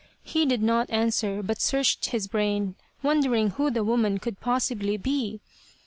He did not answer but searched his brain, wondering who the woman could possibly be.